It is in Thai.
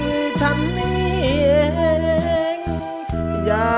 ไม่ใช้ครับไม่ใช้ครับ